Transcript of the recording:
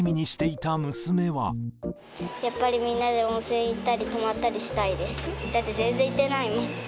やっぱりみんなで温泉行ったり、泊まったりしたいです。